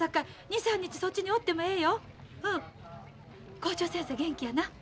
校長先生元気やな？